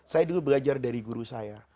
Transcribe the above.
saya dulu belajar dari guru saya